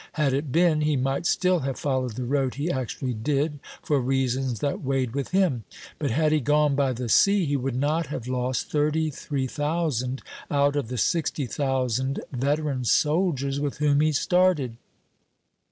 Had it been, he might still have followed the road he actually did, for reasons that weighed with him; but had he gone by the sea, he would not have lost thirty three thousand out of the sixty thousand veteran soldiers with whom he started.